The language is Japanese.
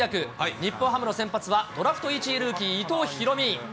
日本ハムの先発は、ドラフト１位ルーキー、伊藤大海。